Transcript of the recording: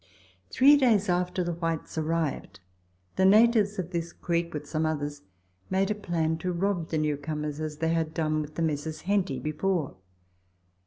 Three days after the Whytcs arrived, the natives of this creek, with some others, made up a plan to rob the new comers, as they had done the Messrs. Henty before.